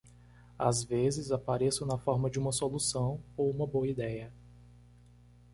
Às vezes, apareço na forma de uma solução? ou uma boa ideia.